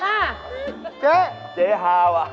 เจ๊เจ๊ฮาว่ะ